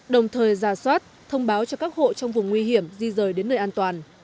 đồng thời ra soát thông báo cho các hộ trong vùng nguy hiểm di rời đến nơi an toàn